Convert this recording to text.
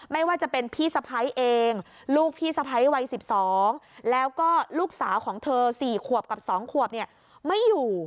ไม่ว่าจะเป็นพี่สะพ้ายเองลูกพี่สะพ้ายวัย๑๒แล้วก็ลูกสาวของเธอ๔ขวบกับ๒ขวบเนี่ยไม่อยู่